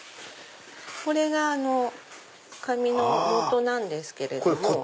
これが紙のもとなんですけども。